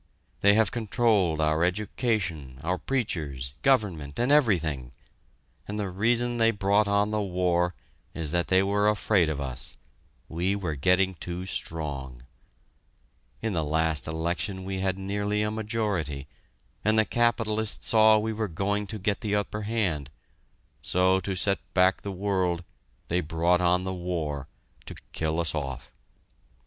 They have controlled our education, our preachers, government, and everything, and the reason they brought on the war is that they were afraid of us we were getting too strong. In the last election we had nearly a majority, and the capitalists saw we were going to get the upper hand, so to set back the world, they brought on the war to kill us off.